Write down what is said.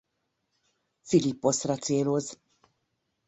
Philipposzra céloz.